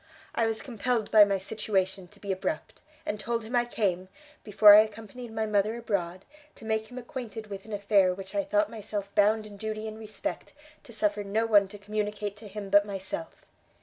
I was compelled by my situation to be abrupt, and told him I came, before I accompanied my mother abroad, to make him acquainted with an affair which I thought myself bound in duty and respect to suffer no one to communicate to him but myself.